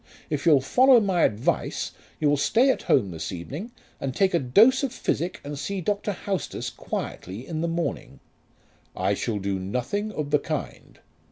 If you'll follow my advice you'll stay at home this evening and take a dose of physic and see Dr. Haustus quietly in the morning." "I shall do nothing of the kind."